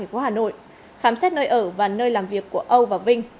khám xét nơi ở và nơi làm việc của âu và vinh